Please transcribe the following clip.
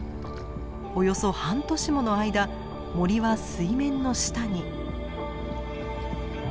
およそ半年もの間森は水面の下に。